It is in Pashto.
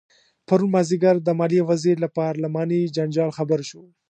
پرون مازدیګر د مالیې وزیر له پارلماني جنجال خبر شو.